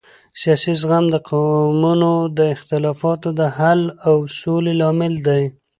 سیاسي زغم د قومونو د اختلافاتو د حل او سولې لامل دی